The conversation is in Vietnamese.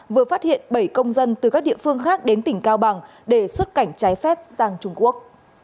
vừa phát hiện bảy công dân từ các địa phương khác đến tỉnh cao bằng để xuất cảnh trái phép sang trung quốc